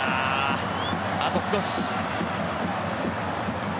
あと少し。